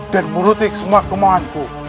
dan menutupi semua kemauanku